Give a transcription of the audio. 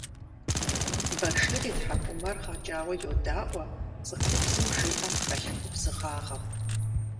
Башир и тхьэкӀумэр гъэкӀауэ йодаӀуэ цӀыхубзым жиӀэм хэлъ губзыгъагъэм.